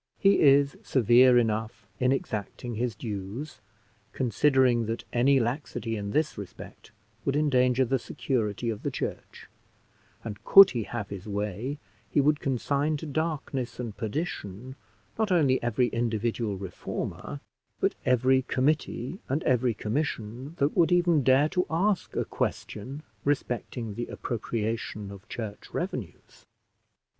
He is severe enough in exacting his dues, considering that any laxity in this respect would endanger the security of the church; and, could he have his way, he would consign to darkness and perdition, not only every individual reformer, but every committee and every commission that would even dare to ask a question respecting the appropriation of church revenues.